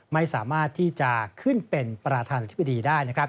ไม่สามารถที่จะขึ้นเป็นประธานาธิบดีได้นะครับ